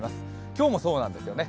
今日もそうなんですよね。